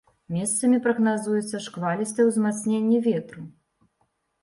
Месцамі прагназуецца шквалістае ўзмацненне ветру.